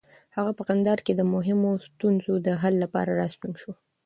هغه په کندهار کې د مهمو ستونزو د حل لپاره راستون شو.